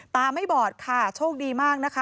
ตาไม่บอดค่ะโชคดีมากนะคะ